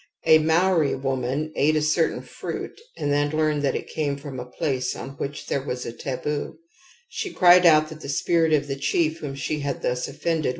A Maori woman ate a certain fruit and then learned that it came from a place on which there was a taboo. She cried out that the spirit of the chief whom she had thus offended would w Frazer, The Magio Art, I, p.